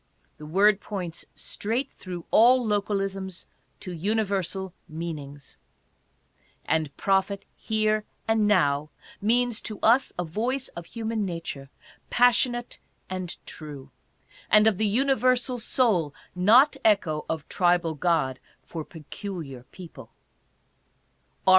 The word points straight through all localisms to universal meanings. And prophet here and now means to us a voice of human nature, passionate and true ; and of the universal soul, not echo of tribal god for peculiar people.